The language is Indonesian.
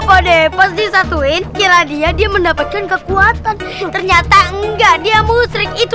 oke pas disatuin kira dia mendapatkan kekuatan ternyata enggak dia musrik itu